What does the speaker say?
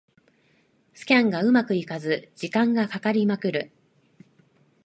スキャンがうまくいかずに時間がかかりまくる